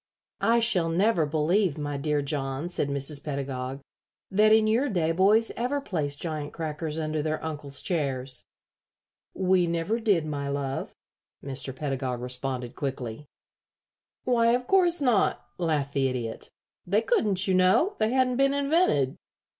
"I shall never believe, my dear John," said Mrs. Pedagog, "that in your day boys ever placed giant crackers under their uncles' chairs." "We never did, my love," Mr. Pedagog responded, quickly. "Why, of course not," laughed the Idiot. "They couldn't, you know. They hadn't been invented.